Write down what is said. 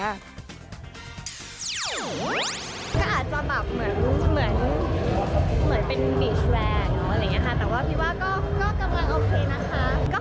อะก็อาจจะแบบเหมือนเหมือนเป็นบีชแวร์แต่ว่าพี่ว่าก็กำลังโอเคนะคะ